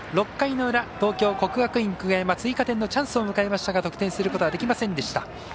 ６回の裏、東京、国学院久我山追加点のチャンスを迎えましたが得点することはできませんでした。